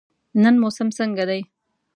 نن موسم څنګه دی؟